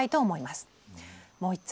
もう一通。